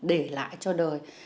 để lại cho đời